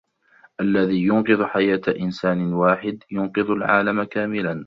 الذي ينقذ حياة إنسان واحد ينقذ العالم كاملا.